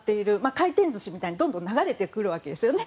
回転ずしみたいに、どんどん流れてくるわけですよね。